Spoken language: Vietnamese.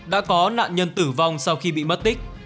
đã có nạn nhân tử vong sau khi bị mất tích